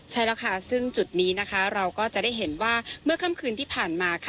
ใช่แล้วค่ะซึ่งจุดนี้นะคะเราก็จะได้เห็นว่าเมื่อค่ำคืนที่ผ่านมาค่ะ